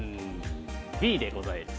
Ｂでございます。